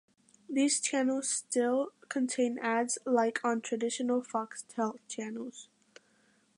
These channels still contain ads like on traditional Foxtel channels.